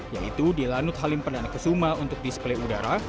yaitu di lanut halim perdana kusuma untuk display udara